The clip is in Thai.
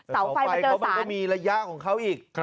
เสาไฟก็ไม่ได้มีระยะของเค้าอีก